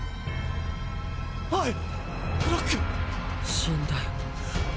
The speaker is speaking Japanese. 死んだよ。